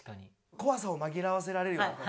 怖さを紛らわせられるような。